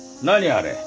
あれ。